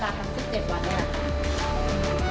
ก็รอเวลาทำ๑๗วันเนี่ย